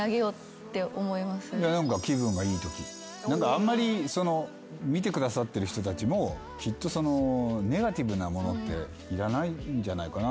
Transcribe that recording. あんまり見てくださってる人たちもきっとネガティブなものっていらないんじゃないかなと思って。